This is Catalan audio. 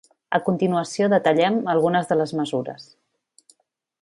A continuació detallem algunes de les mesures.